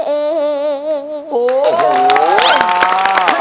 โอ้โห